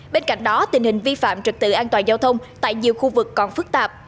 bên cạnh đó tình hình vi phạm trực tự an toàn giao thông tại nhiều khu vực còn phức tạp